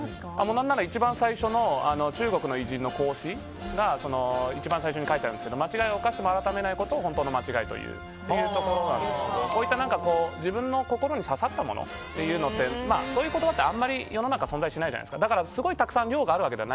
何なら一番最初の中国の偉人の孔子が一番最初に書いてあるんですが間違いを犯しても改めないことを本当の間違いというっていうやつだったんですけど自分の心に刺さったものってそういう言葉ってあまり世の中存在しないじゃないですか。